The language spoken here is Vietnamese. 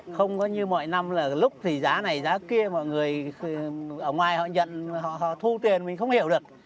không có như mọi năm là lúc thì giá này giá kia mọi người ở ngoài họ nhận họ họ thu tiền mình không hiểu được